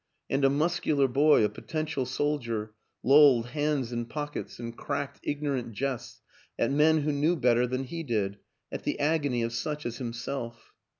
. and a muscular boy, a potential soldier, lolled hands in pockets and cracked ignorant jests at men who knew bet ter than he did, at the agony of such as himself.